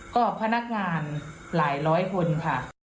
ก็พนักงานหลายร้อยคนค่ะ